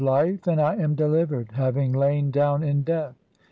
o,3 "life, (8) and I am delivered, having lain down in death.